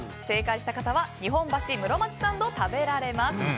正解した方は日本橋室町サンドを食べられます。